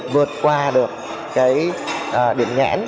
vượt qua được cái điểm nhãn